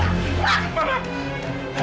tapi evita mau pergi